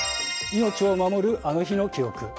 命を守る、あの日の記憶。